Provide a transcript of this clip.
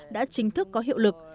đã chính thức có hiệu lực